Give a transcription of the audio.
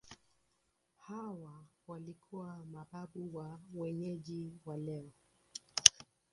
Hawa walikuwa mababu wa wenyeji wa leo.